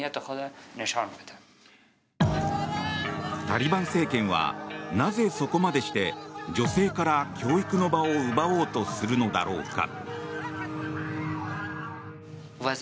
タリバン政権はなぜ、そこまでして女性から教育の場を奪おうとするのだろうか。